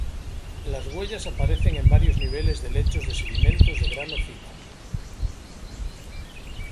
Las huellas aparecen en varios niveles de lechos de sedimentos de grano fino.